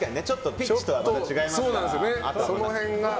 ピッチとはまた違いますから。